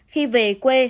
khi về quê